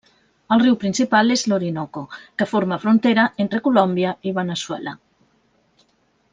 El riu principal n'és l'Orinoco, que forma frontera entre Colòmbia i Veneçuela.